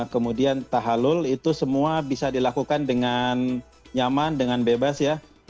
kemudian tahalul itu semua bisa dilakukan dengan nyaman dengan bebas ya